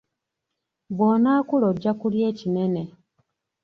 Bw'onaakula ojja kulya ekinene.